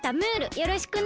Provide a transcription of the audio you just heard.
よろしくね。